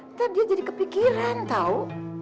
entah dia jadi kepikiran tau